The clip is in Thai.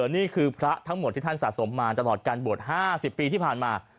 นี่คือพระทั้งหมดที่ท่านสะสมมาตลอดการบวช๕๐ปีที่ผ่านมา